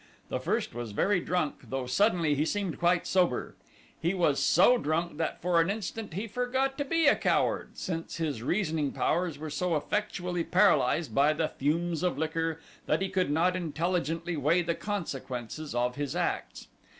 The first was very drunk though suddenly he seemed quite sober. He was so drunk that for an instant he forgot to be a coward, since his reasoning powers were so effectually paralyzed by the fumes of liquor that he could not intelligently weigh the consequences of his acts.